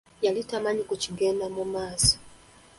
Yali tamanyi ku kigenda mu maaso.